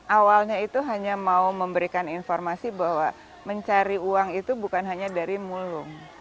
awalnya itu hanya mau memberikan informasi bahwa mencari uang itu bukan hanya dari mulung